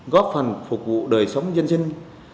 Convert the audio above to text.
góp phần phục vụ đời sống dân sinh